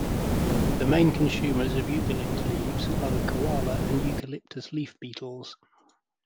The main consumers of eucalypt leaves are the koala and eucalyptus leaf beetles.